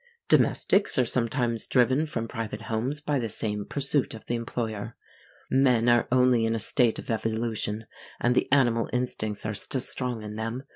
Domestics are sometimes driven from private homes by the same pursuit of the employer. Men are only in a state of evolution, and the animal instincts are still strong in them.